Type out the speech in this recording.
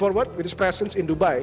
berlanjut dengan wawasan di dubai